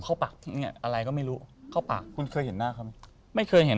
เข้าปากเนี่ยอะไรก็ไม่รู้เข้าปากคุณเคยเห็นหน้าเขาไหมไม่เคยเห็น